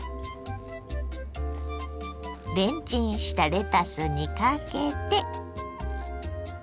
レンチンしたレタスにかけて。